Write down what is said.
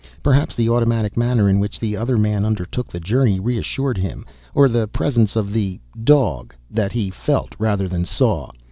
Perhaps the automatic manner in which the other man undertook the journey reassured him. Or the presence of the "dog" that he felt rather than saw.